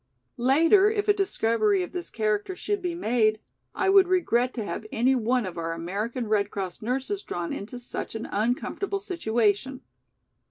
Later, if a discovery of this character should be made, I would regret to have any one of our American Red Cross nurses drawn into such an uncomfortable situation."